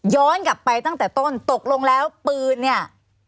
ย้อนกลับไปตั้งแต่ต้นตกลงแล้วปืนเนี่ย